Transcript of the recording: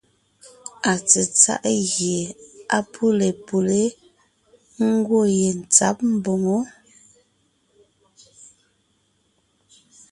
Atsetsáʼ gie á pʉ́le pʉlé, ńgwɔ́ yentsǎb mboŋó.